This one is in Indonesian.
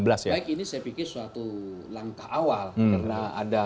baik ini saya pikir suatu langkah awal karena ada